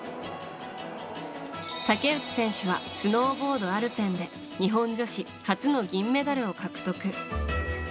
竹内選手はスノーボードアルペンで日本女子初の銀メダルを獲得。